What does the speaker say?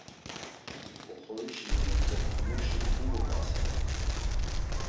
Oxorişi motzopxumuşi himuk asere.